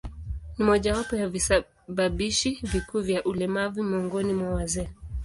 Ni mojawapo ya visababishi vikuu vya ulemavu miongoni mwa wazee.